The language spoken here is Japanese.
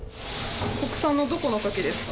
国産のどこのカキですか？